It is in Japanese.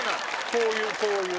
こういうこういう。